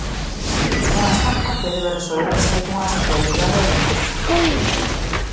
Unha estampa que debe resolverse cunha simple brigada de limpeza.